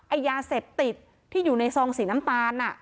ไอ้ยาเสพติดที่อยู่ในซองสีน้ำตาล